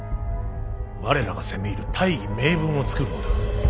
我らが攻め入る大義名分を作るのだ。